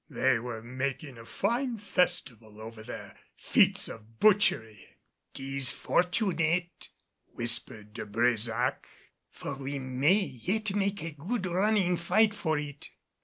They were making a fine festival over their feats of butchery! "'Tis fortunate," whispered De Brésac, "for we may yet make a good running fight for it."